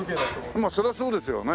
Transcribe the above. まあそれはそうですよね。